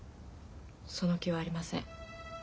その気はありません。